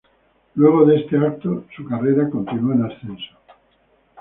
Luego de este evento su carrera continuó en ascenso.